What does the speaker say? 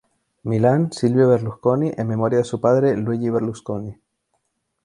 Milan, Silvio Berlusconi en memoria de su padre Luigi Berlusconi.